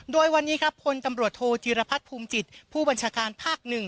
โดยวันนี้ครับพลตำรวจโทจีรพัฒน์ภูมิจิตผู้บัญชาการภาค๑